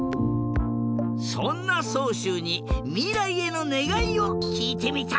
そんなそうしゅうにみらいへのねがいをきいてみた。